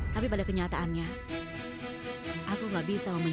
kami bisa menghukummu